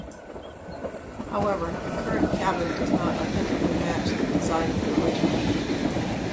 However, the current cabin does not authentically match the design of the original.